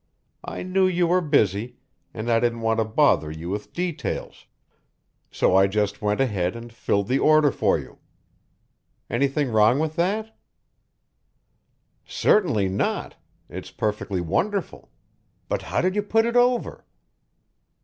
I knew you were busy, and I didn't want to bother you with details, so I just went ahead and filled the order for you. Anything wrong about that?" "Certainly not. It's perfectly wonderful. But how did you put it over?"